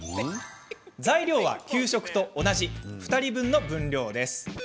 材料は給食と同じ、２人分の分量。